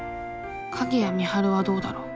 鍵谷美晴はどうだろう？